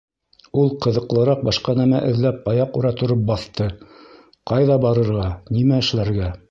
Ул ҡыҙыҡлыраҡ башҡа нәмә эҙләп аяҡ үрә тороп баҫты: «Ҡайҙа барырға, нимә эшләргә?..»